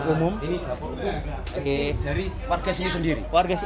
umum ini dapur umum dari warga sini sendiri